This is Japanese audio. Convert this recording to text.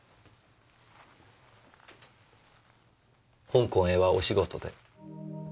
香港へはお仕事で？